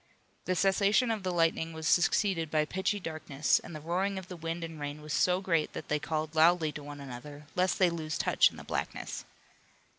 The cessation of the lightning was succeeded by pitchy darkness, and the roaring of the wind and rain was so great that they called loudly to one another lest they lose touch in the blackness.